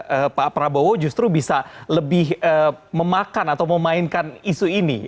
tim media dari pak prabowo justru bisa lebih memakan atau memainkan isu ini